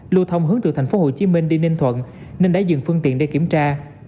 lưu thông hướng từ tp hcm đi ninh thuận nên đã dừng phương tiện để kiểm tra